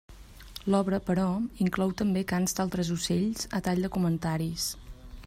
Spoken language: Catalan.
L'obra, però, inclou també cants d'altres ocells a tall de comentaris.